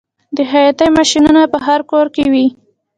د خیاطۍ ماشینونه په هر کور کې وي